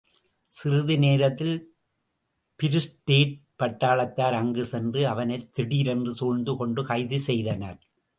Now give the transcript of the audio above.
சிறிது நேரத்தில் பிரீஸ்டேட் பட்டாளத்தார் அங்கு சென்று, அவனைத் திடீரென்று சூழ்ந்து கொண்டு கைது செய்தனர்.